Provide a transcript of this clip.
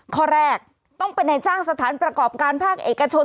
ข้อแรกต้องเป็นในจ้างสถานประกอบการภาคเอกชน